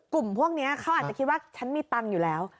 กลุ่มพวกนี้เขาอาจจะคิดว่าฉันมีตังค์อยู่แล้ว